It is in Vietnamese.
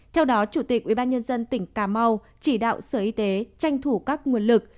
theo đó chủ tịch ubnd tỉnh cà mau chỉ đạo sở y tế tranh thủ các nguồn lực